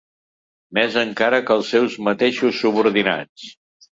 Més encara que els seus mateixos subordinats